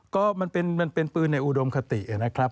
ก็มันเป็นปืนในอุดมคตินะครับ